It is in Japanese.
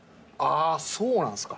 あそうなんすか？